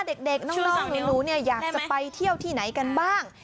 เด็กน้องหนูเนี่ยอยากจะไปเที่ยวที่ไหนกันบ้าง